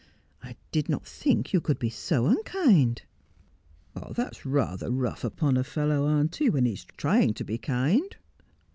I did not think you could be so unkind.' ' That is rather rough upon a fellow, auntie, when he is trying to be kind.'